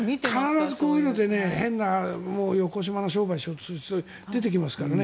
必ずこういうのでよこしまな商売をしようとする奴が出てきますからね。